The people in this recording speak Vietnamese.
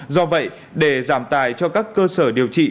do vậy để giảm tài cho các cơ sở điều trị